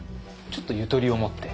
ちょっとゆとりを持って。